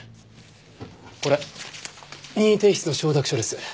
これ任意提出の承諾書です。